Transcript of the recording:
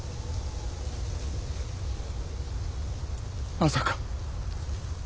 まさか。